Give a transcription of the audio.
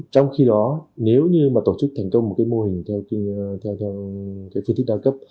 trong khi đó nếu tổ chức thành công một mô hình theo phiên thức đa cấp